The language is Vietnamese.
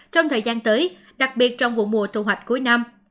trong thời gian tới đặc biệt trong vụ mùa thu hoạch cuối năm